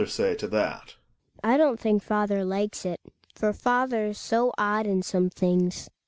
I don't think father likes it, for father's so odd in some things